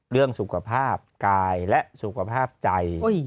เรื่องสุขภาพกายและสุขภาพใจ